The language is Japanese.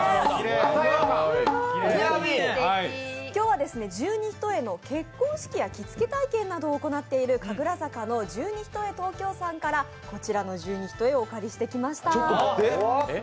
今日は十二単の結婚式や着付け体験を行っている神楽坂の十二単東京さんからこちらの十二単をお借りしてきました。